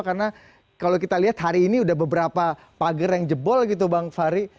karena kalau kita lihat hari ini sudah beberapa pager yang jebol gitu bang farih